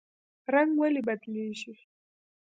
رنګ ولې بدلیږي؟